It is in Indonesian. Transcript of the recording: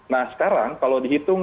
nah sekarang kalau dihitung